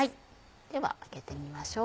では開けてみましょう。